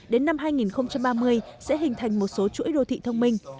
đến năm hai nghìn ba mươi sẽ hình thành một số chuỗi đô thị thông minh